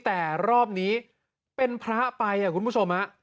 แต่รอบนี้เป็นพระไปคุณผู้ชมฮะ